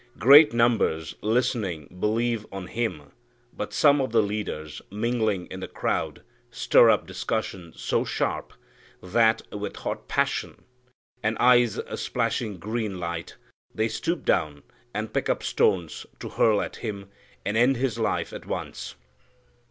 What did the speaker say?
Great numbers listening believe on Him, but some of the leaders, mingling in the crowd, stir up discussion so sharp that with hot passion, and eyes splashing green light, they stoop down and pick up stones to hurl at Him and end His life at once.